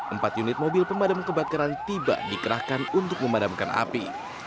empat unit mobil pemadam kebakaran tiba dikerahkan untuk memadamkan api